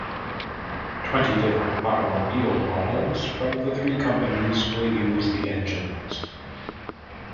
Twenty different automobile models from the three companies will use the engines.